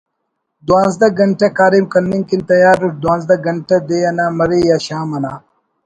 دوانزدہ گھنٹہ کاریم کننگ کن تیار اُٹ دوانزدہ گھنٹہ دے انا مرے یا شام انا